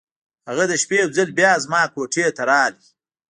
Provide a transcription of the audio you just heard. هغه د شپې یو ځل بیا زما کوټې ته راغی.